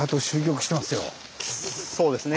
そうですね。